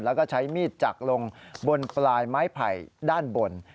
แล้วก็ใช้มีดจักลงบนปลายไม้ไผ่ด้านบน